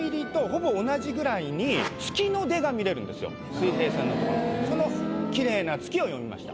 水平線のそのきれいな月を詠みました。